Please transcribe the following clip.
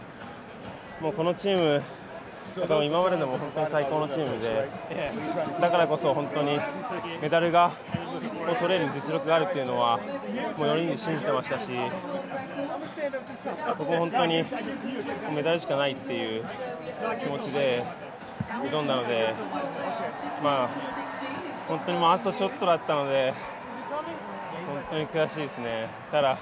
このチーム、今まででも最高のチームでだからこそ本当にメダルが取れる実力があるというのは４人で信じていましたし、ここはメダルしかないという気持ちで挑んだので、本当にあとちょっとだったので、本当に悔しいですね。